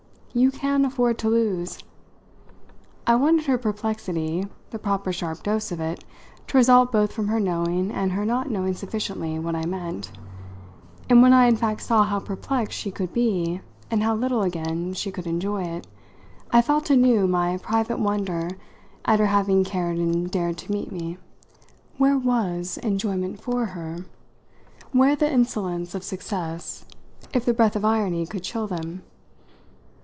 You can afford to lose." I wanted her perplexity the proper sharp dose of it to result both from her knowing and her not knowing sufficiently what I meant; and when I in fact saw how perplexed she could be and how little, again, she could enjoy it, I felt anew my private wonder at her having cared and dared to meet me. Where was enjoyment, for her, where the insolence of success, if the breath of irony could chill them?